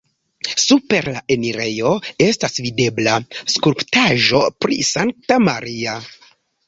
Super la enirejo estas videbla skulptaĵo pri Sankta Maria.